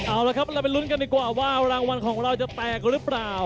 เอาละครับเราไปลุ้นกันดีกว่าว่ารางวัลของเราจะแตกหรือเปล่า